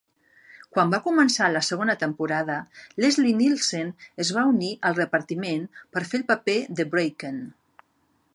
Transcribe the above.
Quan va començar la segona temporada, Leslie Nielsen es va unir al repartiment per fer el paper de Bracken.